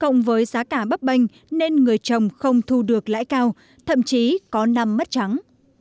cộng với giá cả bắp bệnh nên người trồng không thu được lãi cao thậm chí có nằm mất trắng